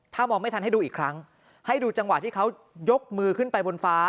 ถ้ามองไม่ทันให้ดูอีกครั้งให้ดูจังหวะที่เขายกมือขึ้นไปบนฟ้า